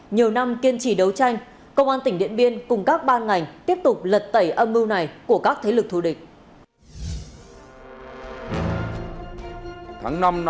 nhiều năm kiên trì đấu tranh công an tỉnh điện biên cùng các ban ngành tiếp tục lật tẩy âm mưu này của các thế lực thù địch